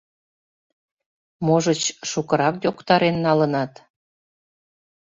— Можыч, шукырак йоктарен налынат?